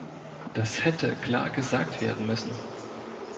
Das hätte klar gesagt werden müssen.